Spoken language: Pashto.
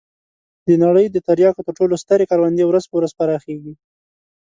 د نړۍ د تریاکو تر ټولو سترې کروندې ورځ په ورځ پراخېږي.